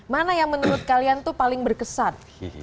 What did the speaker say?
mana yang menurut kalian tuh paling berkesan